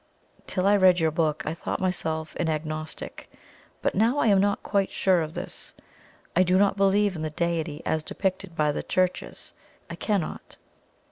Till I read your book I thought myself an Agnostic, but now I am not quite sure of this. I do not believe in the Deity as depicted by the Churches. I CANNOT.